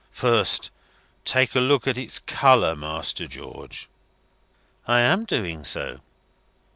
First, take a look at its colour, Master George." "I am doing so."